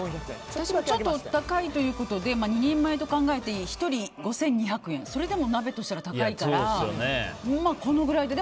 私もちょっと高いということで２人前と考えて１人５４００円それでもお鍋としたら高いからこのくらいで。